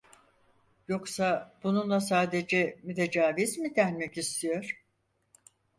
Yoksa bununla sadece mütecaviz mi denmek istiyor?